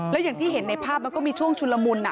แล้วอย่างที่เห็นในภาพมันก็มีช่วงชุนละมุน